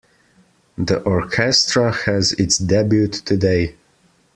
The orchestra has its debut today.